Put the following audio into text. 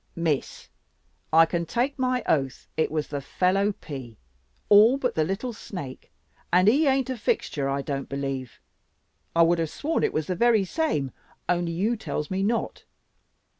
"Miss, I can take my oath it was the fellow pea, all but the little snake, and he ain't a fixture, I don't believe. I would have sworn it was the very same, only you tells me not.